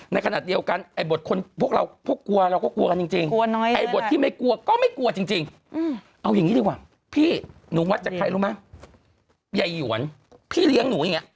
ในขณะเดียวกันบทพวกเราก็กลัวกันจริง